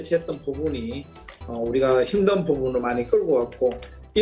jadi kami memiliki kesulitan yang sangat sulit